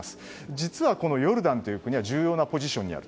実はヨルダンという国は重要なポジションにある。